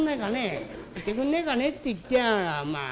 「してくんねえかねって言ってやがらあ。